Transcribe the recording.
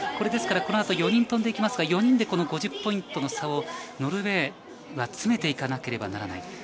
このあと４人飛びますが４人で５０ポイントの差をノルウェーは詰めていかなければならない。